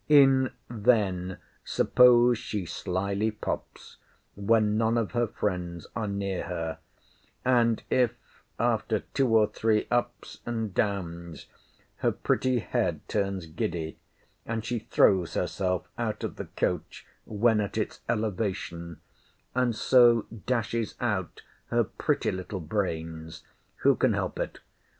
In then suppose she slily pops, when none of her friends are near her: And if, after two or three ups and downs, her pretty head turns giddy, and she throws herself out of the coach when at its elevation, and so dashes out her pretty little brains, who can help it?